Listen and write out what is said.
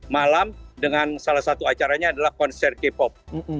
malam dengan salah satu acaranya adalah konser k pop